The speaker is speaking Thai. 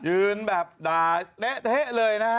อยู่แบบนั้นแบบ๑๓๐เลยนะ